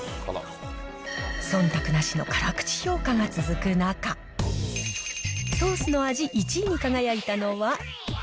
そんたくなしの辛口評価が続く中、ソースの味１位に輝いたのは。